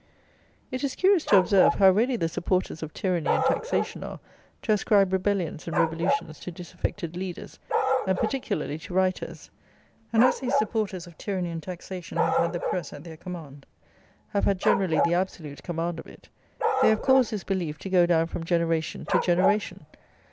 It is curious to observe how ready the supporters of tyranny and taxation are to ascribe rebellions and revolutions to disaffected leaders; and particularly to writers; and, as these supporters of tyranny and taxation have had the press at their command; have had generally the absolute command of it, they have caused this belief to go down from generation to generation.